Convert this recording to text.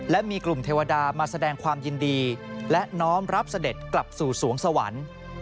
และมีกลุ่มเทวดามาแสดงความยินดีและน้อมรับเสด็จกลับสู่สวงสวรรค์